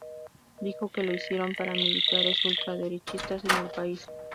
Dijo que lo hicieron paramilitares ultraderechistas en el país.